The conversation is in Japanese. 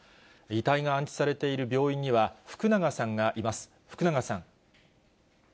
遺体が安置されている病院には、福永さんがいます。